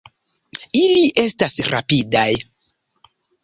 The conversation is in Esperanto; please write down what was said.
Ili estas rapidaj.